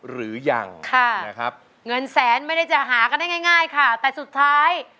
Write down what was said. หรือยังค่ะนะครับเงินแสนไม่ได้จะหากันได้ง่ายค่ะแต่สุดท้าย